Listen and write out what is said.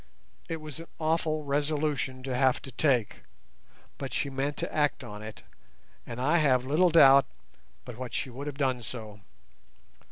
It was an awful resolution to have to take, but she meant to act on it, and I have little doubt but what she would have done so.